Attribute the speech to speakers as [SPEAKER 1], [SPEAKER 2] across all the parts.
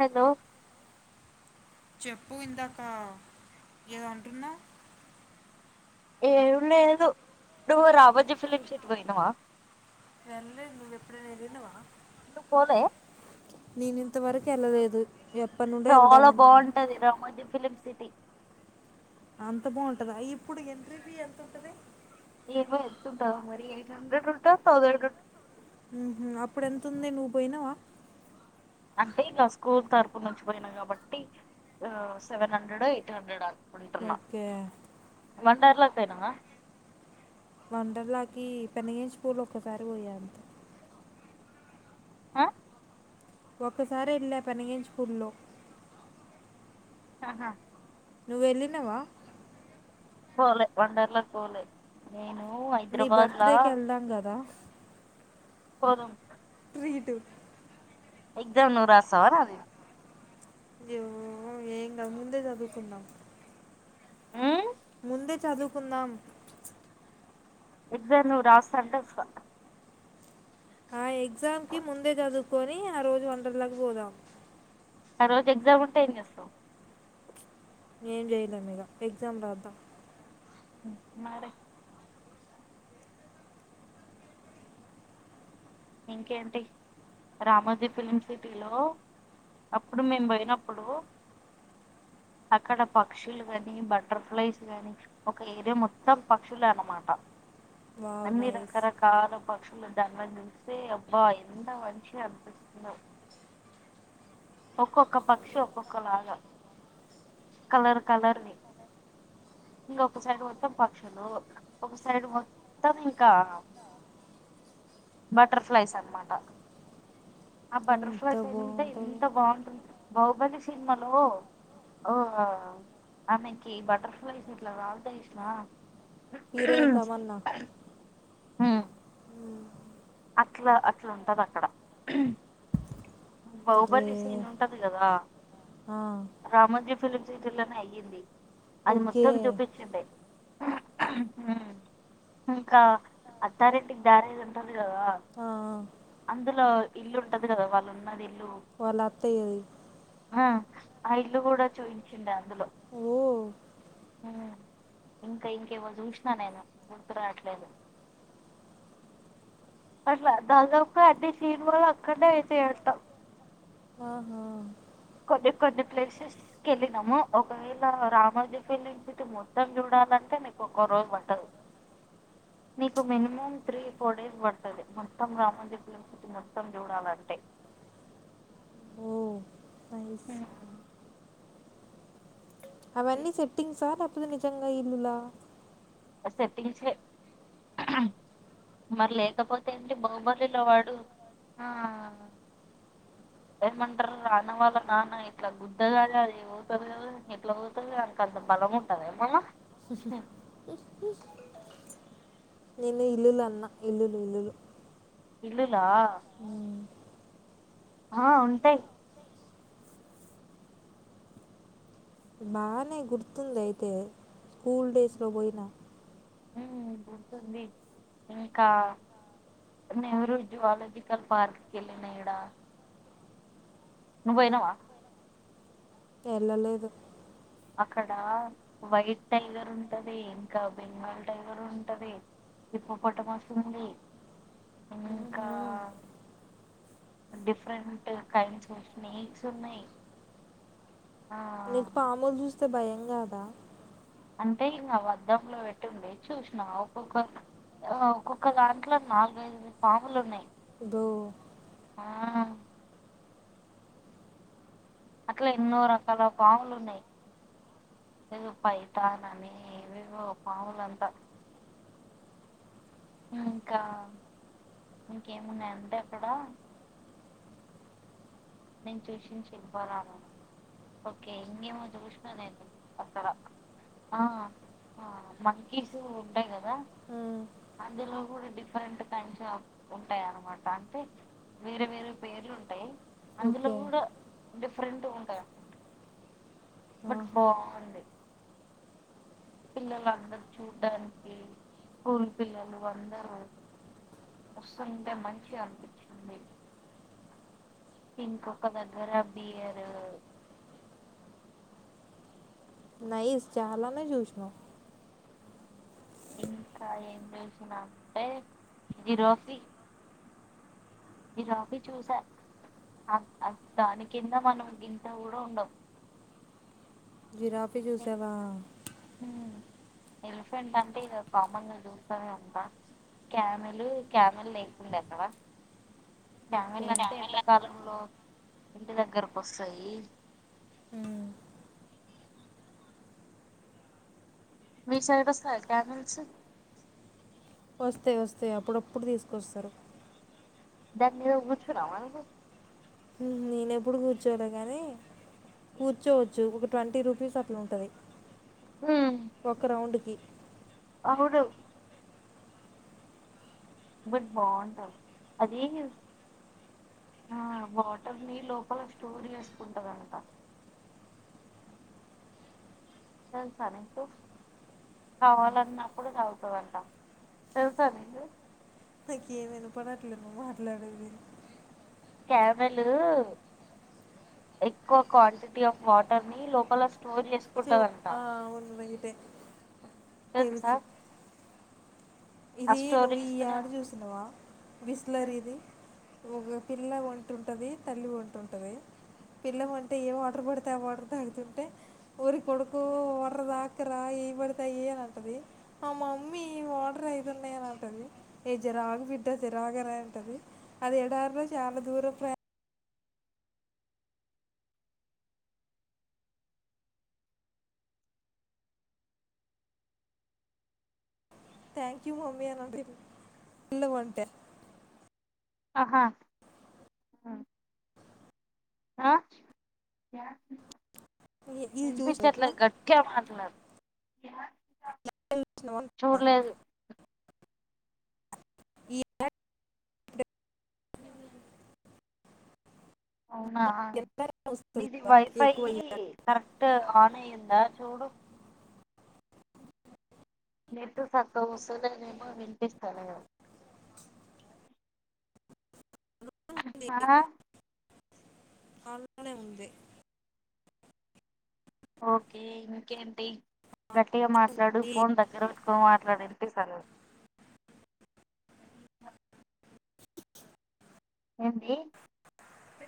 [SPEAKER 1] Hello
[SPEAKER 2] చెప్పు ఇందాక ఏదో అంటున్నావ్
[SPEAKER 1] ఏమి లేదు ఇ రాబజీ ఫిలిమ్స్ట్ కి పోయినావా
[SPEAKER 2] వెళ్లలేదు నువ్వు ఎప్పుడన్నా వెళ్ళినవా
[SPEAKER 1] నువ్వు పోలే
[SPEAKER 2] నేను ఇంతవరకు వెళ్ళలేదు ఎప్పటి నుండో
[SPEAKER 1] చాలా
[SPEAKER 2] వెళ్దామను
[SPEAKER 1] బాగుంటది రామోజం ఫిలిమ్ సిటీ
[SPEAKER 2] అంత బాగుంటదా ఇప్పుడు ఎంట్రీ పి ఎంతుంటది
[SPEAKER 1] ఏమో ఎతుంటాదొ మరి ఎయిట్ హండ్రెడ్ ఉంటా థౌజండ్ ఉంటా
[SPEAKER 2] ఉహ అప్పుడు ఎంతుంది నువ్వు పోయినావా
[SPEAKER 1] అంటే ఇంగ స్కూల్ తరపు నుంచి పోయిన కాబట్టి సెవెన్ హండ్రెడ్ ఎయిట్ హండ్రెడ్ అ కుటుంమ్మ
[SPEAKER 2] ఓకే
[SPEAKER 1] వండర్లా వస్తాయినవా
[SPEAKER 2] వండర్లాకి పెనిగేష్పూర్ లో ఒక్కసారి పోయాను
[SPEAKER 1] ఆ
[SPEAKER 2] ఒక్కసారి ఎల్లా పెనిగేశ్పూర్లో
[SPEAKER 1] హా హా
[SPEAKER 2] నువ్వు వెళ్ళినవా
[SPEAKER 1] పోలే వండర్లా పోలే నేను
[SPEAKER 2] నీ
[SPEAKER 1] హైదరాబాద్
[SPEAKER 2] బర్త్ డే కి వెళ్దాం కదా
[SPEAKER 1] పోదం
[SPEAKER 2] దీ ఇటు
[SPEAKER 1] ఎగ్జామ్ నువ్ రాస్తావా ర
[SPEAKER 2] అయ్యో ఏంకాద్ ముందే చదువుకుందాం
[SPEAKER 1] ఉ [unintelligible]
[SPEAKER 2] ముందే చదువుకుందాం
[SPEAKER 1] ఎగ్జామ్ నువ్వు రాస్తా అంటే వస్తా
[SPEAKER 2] ఆ ఎగ్జామ్ కి ముందే చదువుకొని ఆ రోజు వండర్లాకి పోదాం
[SPEAKER 1] ఆ రోజు ఎగ్జామ్ ఉంటే ఏం చేస్తావ్
[SPEAKER 2] ఏం చేయలే మీగా ఎగ్జామ్ రాద్దాం
[SPEAKER 1] హు మరే ఇంకేంటి రామోజీ ఫిలిం సిటీలో అప్పుడు మేము పోయినప్పుడు అక్కడ పక్షులు గాని బటర్ఫ్లైస్ గాని ఒక ఏరియా మొత్తం పక్షులు అనమాట
[SPEAKER 2] వావ్
[SPEAKER 1] అన్ని
[SPEAKER 2] నైస్
[SPEAKER 1] రకరకాల పక్షులు ద్దాబ రే అబ్బా ఎంత మంచిగా కనిపిస్తున్నా ఒక్కొక్క పక్షి ఒక్కొక్కలాగా కలర్ కలర్ వి ఇంకొక సైడ్ మొత్తం పక్షులు ఒక సైడ్ మొత్తం ఇంకా బటర్ఫ్లైస్ అన్నమాట ఆ
[SPEAKER 2] ఎంత
[SPEAKER 1] బటర్ఫ్లైస్ ఉంటే
[SPEAKER 2] బాగుంటుందో
[SPEAKER 1] ఎంత బాగుంటుంది బహుబలి సినిమాలో ఓ ఆమెకి బటర్ఫ్లైస్ ఇట్లా వాల్తేయ్ చూసినావా ఆ
[SPEAKER 2] హీరోయిన్ తమన్నా
[SPEAKER 1] [unintelligible] ఉహ్ అట్లా అట్లా ఉంటదక్కడ
[SPEAKER 2] ఒరే
[SPEAKER 1] బాహుబలి సీన్ ఉంటది కదా
[SPEAKER 2] ఆ,
[SPEAKER 1] రామోజీ ఫిలిం సిటీలోనే అయ్యింది అది
[SPEAKER 2] ఓకే
[SPEAKER 1] మొత్తం చూపించింది ఇంకా అత్తారింటికి దారేది ఉంటాది
[SPEAKER 2] ఆ ఆ
[SPEAKER 1] అందులో ఇల్లు ఉంటది కదా వాళ్ళు ఉన్నది
[SPEAKER 2] వాళ్ల అత్తయ్యది
[SPEAKER 1] హా ఆ ఇల్లు కూడా చూయించిండు అందులో
[SPEAKER 2] ఓ
[SPEAKER 1] ఇంకా ఇంకేవో చూసినా నేను గుర్తు రాట్లేదు అట్లా దాదాపు అన్నీ సీన్ కూడా అక్కడనే అయితే అంట
[SPEAKER 2] ఆహా
[SPEAKER 1] కొన్ని కొన్ని ప్లేసెస్క వెళ్ళినాము ఒకవేళ రామోజీ ఫిలిం సిటీ మొత్తం చూడాలంటే నీకు ఒక రోజు పట్టదు నీకు మినిమం త్రీ ఫోర్ డేస్ పడతది మొత్తం రామోజీ మొత్తం చూడాలాంటే
[SPEAKER 2] ఓ నైస్
[SPEAKER 1] ఆ
[SPEAKER 2] అవన్నీ సెట్టింగ్సా ఇప్పు నిజంగా ఇల్లులా
[SPEAKER 1] సెటింసే మరి లేకపోతే ఏంటి బాహుబలిలో వాడు ఆ ఏమంటారు రాన్న వాళ్ళ నాన్న ఇట్లా గుద్దగాదు అది అవుతుంది ఇట్లా అవుతుంది అక అంత బలం ఉంటంది ఏమనా
[SPEAKER 2] నేను ఇల్లులు అన్నా ఇల్లులు ఇల్లులు
[SPEAKER 1] ఇల్లుల
[SPEAKER 2] మ్మ్.
[SPEAKER 1] ఆ ఉంటాయి
[SPEAKER 2] బాగానే గుర్తుంది అయితే స్కూల్ డేస్ లో పోయినా
[SPEAKER 1] గుంటుంది ఇంకా నెహ్రూ జువాలజికల్ పార్క్కి వెళ్ళినా ఇడ నువ్వు పోయినవా
[SPEAKER 2] వెళ్ళలేదు
[SPEAKER 1] అక్కడ వైట్ టైగర్ ఉంటది ఇంకా బెంగాల్ టైగర్ ఉంటది చిప్ప పొటం వస్తుంది ఇంకా డిఫరెంట్ కైండ్స్ ఆఫ్ స్నేక్స్ ఉన్నాయి ఆ
[SPEAKER 2] నీకు పామోలు ద అస్త భయం కదా
[SPEAKER 1] అంటే ఇంకా వద్దంలో పెట్ండి చూసినా ఒక్కొక్క ఒక్కొక్క దాంట్లో నాలుగ ఐదు ఫములు ఉన్నాయి
[SPEAKER 2] దో
[SPEAKER 1] ఆ అట్లా ఎన్నో రకాల పావులు ఉన్నాయి ఇ పైతాన్ని ఇవేవో పావులుంతా ఇంకా ఇంకేమున్నాయి అంతే అక్కడ నేను చూసిిన శిల్పారామం ఓకే ఇంకేమో చూసిన నేను అక్కడ ఆ మంకీస్ ఉంటాయి కదా అందులో కూడా డిఫరెంట్ టైంస్ ఆఫ్ ఉంటాయి అన్నమాట అంటే వేరే వేరే పేర్లు ఉంటాయి అందులో
[SPEAKER 2] ఓకే
[SPEAKER 1] కూడా ఫ్రెండ్ ఉంటంది అన్నమాట బట్ బాగుంది పిల్లలు అందరు చూడ్డానికి స్కూల్ పిల్లలు అందరూ వస్తుంటే మంచి అనిపించింది ఇంకొక దగ్గర బియర్
[SPEAKER 2] నైస్ చాలానే చూసినావ్
[SPEAKER 1] ఇంకా ఏం చూసినంటే జిరాఫీ జిరాఫీ చూసా దాని కింద మనం గింత కూడా ఉండము
[SPEAKER 2] జిరాఫీ చూసావా
[SPEAKER 1] ఎలిఫెంట్ అంటే ఇ కామన్ గా చూస్తూనే ఉంటా క్యామెల్ క్యామెల్ లేకుడా ఎక్కడ క్యామెల్
[SPEAKER 2] ఓకే
[SPEAKER 1] అంటే ఎండకాలంలో ఇంటి దగ్గరకు వస్తాయి
[SPEAKER 2] మ్మ్.
[SPEAKER 1] మీ సైడ్ వస్తాయా క్యామిల్స్
[SPEAKER 2] వస్తాయి వస్తాయి అప్పుడప్పుడు తీసుకొస్తారు
[SPEAKER 1] దాని మీద గుచ్చున్నావా నువ్వు
[SPEAKER 2] మ్మ్, నేను ఎప్పుడు కూర్చోలే కానీ కూర్చోవచ్చు ఒక ట్వంటీ రూపీస్ అట్లా ఉంటది ఒక రౌండ్కిి
[SPEAKER 1] అవును బట్ బావుంటది అది వాటర్ ని లోపల స్టోర్ చేసుకుంటదంట తెలుసా నీకు కావాలన్నప్పుడు తగుతాడంట తెలుసా నీకు
[SPEAKER 2] నాకేమినపడట్లేదు మాట్లాడేది
[SPEAKER 1] క్యామెల్ ఎక్కువ క్వాంటిటీ ఆఫ్ వాటర్ ని లోపల స్టోర్ చేసుకు
[SPEAKER 2] ఆ అవును రైట్ ఏ
[SPEAKER 1] తెలుసా
[SPEAKER 2] తెల్సు
[SPEAKER 1] ఆ
[SPEAKER 2] ఇది
[SPEAKER 1] స్టోర్
[SPEAKER 2] నువ్వు ఈ
[SPEAKER 1] చేసుకునే
[SPEAKER 2] ఏడ చూసినవా బిస్లరి ఇది ఒక పిల్ల ఒంటె ఉంటుంది తల్లి ఒంటె ఉంటుది పిల్ల ఒంటె ఏ వాటర్ పడతాయి వాటర్ తాకుతుంటే ఊరి కొడుకు వర్ర దాక్కరా ఏ పడతా ఏ అని అంటది ఆ మమ్మీ వాటర్ అయి న్నాయిని అంటది ఏ జర అగు బిడ్డ జర అగు రా అని అంటది అది ఎడారులో చాలా దూరం ప్రయా థ్యాంక్ యూ మమ్మీన ఇళ్ళ ఒంటె [unintelligible]
[SPEAKER 1] ఆహా ఆ
[SPEAKER 2] ఇది చూసిన
[SPEAKER 1] వినిపించట్లే గట్టిగా మాట్లాడు చూడలేదు
[SPEAKER 2] [unintelligible] ఇ [unintelligible]
[SPEAKER 1] అవునా
[SPEAKER 2] ఎంత వస్తుంది
[SPEAKER 1] ఇది వైఫై
[SPEAKER 2] ఎక్కువ అయ్యాక?
[SPEAKER 1] కరెక్ట్ ఆన్ అయ్యిందా చూడు నెట్ సక్కగా వస్తలేదేమో వినిపిస్తలేదు ఆ
[SPEAKER 2] అర్ళనే ఉందే
[SPEAKER 1] ఓకే ఇంకేంటి గట్టిగా మాట్లాడు ఫోన్ దగ్గర పెట్టుకొని మాట్లాడినిపిస్తలేదు ఏంది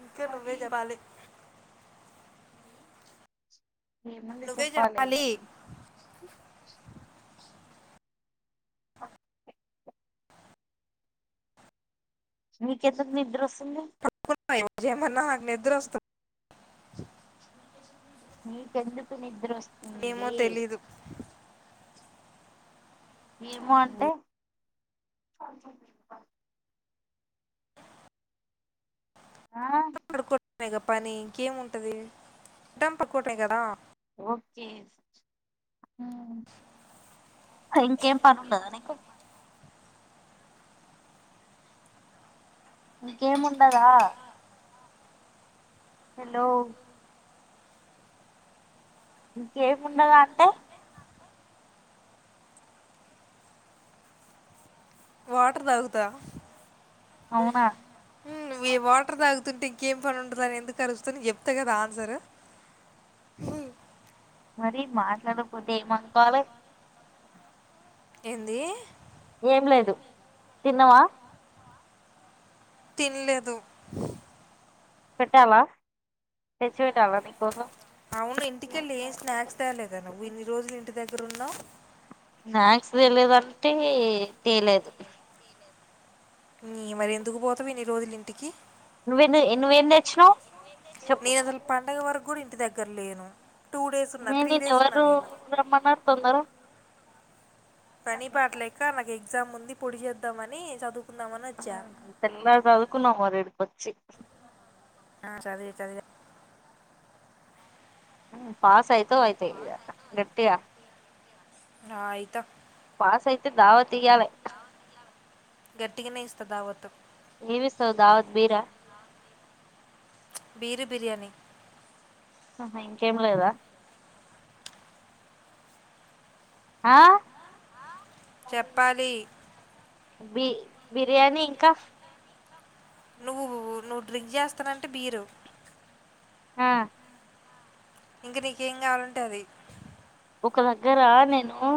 [SPEAKER 2] ఇంకే నువేజెపాాలి
[SPEAKER 1] ఏ మని
[SPEAKER 2] నువ్వే
[SPEAKER 1] చప్పా లేయ
[SPEAKER 2] చెప్పాలి
[SPEAKER 1] అది ఉకెందుకు నిద్రు దీ
[SPEAKER 2] [unintelligible] మన ఆగ నిద్ర వస్తుంది [unintelligible]
[SPEAKER 1] మీకెందుకు నిద్ర వస్త
[SPEAKER 2] ఏమో తెలీదు
[SPEAKER 1] ఏమో అంటే ఆ
[SPEAKER 2] [unintelligible] పని ఇంకేముంటది తం పక్కడే కదా
[SPEAKER 1] ఓకే ఇంకేం పనిండదానీకు ఇంకేము ఉండదా హలో ఇంకేముండద అంటే
[SPEAKER 2] వాటర్ తాగుతా
[SPEAKER 1] అవునా
[SPEAKER 2] వాటర్ దగదు చెప్పుతుంటే ఇంకేం పని ఉంటదని ఎందుకు అడుకుతార్ నెన్ చెప్తే కదా ఆన్సర్ హు
[SPEAKER 1] మరి మాట్లాడకపోతే ఏమనుకోవాలి
[SPEAKER 2] ఏంది
[SPEAKER 1] ఏం లేదు తిన్నావా
[SPEAKER 2] తినలేదు
[SPEAKER 1] పెట్టాలా తెచ్చి పెట్టాలా నీకోసం
[SPEAKER 2] అవును ఇంటికెళ్ళి ఏం స్నాక్స్ తేయలేదా నువ్వు ఇన్ని రోజులు ఇంటి దగ్గర ఉన్నావు
[SPEAKER 1] స్నాక్స్ తేలేదంటే తేలేదు
[SPEAKER 2] మరి ఎందుకు పోతావ్ ఇన్ని రోజులు ఇంటికి
[SPEAKER 1] నువ్వే నువ్వేం తెచ్చినవ్
[SPEAKER 2] నేను అసలు పండగ వరకు కూడా ఇంటిదగ్గర లేను టూ డేస్ ఉన్నా
[SPEAKER 1] అన్నా
[SPEAKER 2] త్రీ
[SPEAKER 1] నిన్ను
[SPEAKER 2] డేస్
[SPEAKER 1] ఎవరు
[SPEAKER 2] ఉన్నా
[SPEAKER 1] రమ్మన్నారు తొందరగా
[SPEAKER 2] పని పాటలేక ఎగ్జామ్ ఉంది పొడి చేద్దాంమని చదువుకున్న
[SPEAKER 1] తెల్లారి చదువుకున్నాం మరి వచ్చి
[SPEAKER 2] ఆ చదవ చదివా
[SPEAKER 1] హు పాస్ అయితావ్ గట్టిగా
[SPEAKER 2] ఆ అయిత
[SPEAKER 1] పాస్ అయితే దావత్ తే
[SPEAKER 2] గట్టిగానే ఇస్తా దావత్తు
[SPEAKER 1] దిగావులేఏమి ఇస్తావ్ దావత్ బీరా
[SPEAKER 2] బీరు బిర్యానీ
[SPEAKER 1] ఆహా ఇంకేం లేదా ఆ
[SPEAKER 2] చెప్పాలి
[SPEAKER 1] బి బిర్యానీ ఇంకా
[SPEAKER 2] నువ్వు నువ్వు డ్రింక్ చేస్తానంటే బీరు
[SPEAKER 1] ఆ
[SPEAKER 2] ఇంకా నీకేం కావాలంటే అది
[SPEAKER 1] ఒక దగ్గర నేను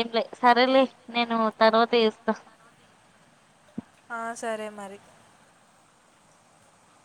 [SPEAKER 1] ఏం లే సరేలే నేను తర్వాత చేస్తా
[SPEAKER 2] ఆ సరే మరి